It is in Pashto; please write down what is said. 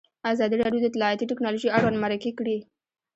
ازادي راډیو د اطلاعاتی تکنالوژي اړوند مرکې کړي.